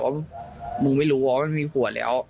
คนชื่อเดียวว่ามึกมีผัวแล้ว